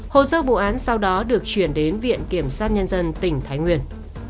hồ sơ vụ án sau đó được chuyển đến viện kiểm sát nhân dân tỉnh thái nguyên